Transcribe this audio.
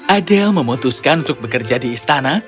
adel memutuskan untuk bekerja di istana